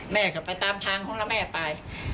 แม่ก็ไปตามทางของแล้วแม่ไป